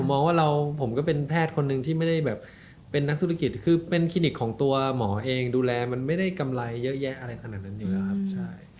มองว่าเราผมก็เป็นแพทย์คนหนึ่งที่ไม่ได้แบบเป็นนักธุรกิจคือเป็นคลินิกของตัวหมอเองดูแลมันไม่ได้กำไรเยอะแยะอะไรขนาดนั้นอยู่แล้วครับใช่